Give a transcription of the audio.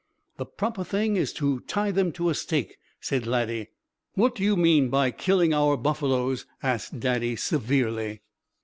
"The proper thing is to tie them to a stake," said Laddie. "What do you mean by killing our buffaloes?" asked Daddy, severely.